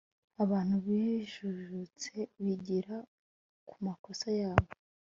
abantu bajijutse bigira kumakosa yabo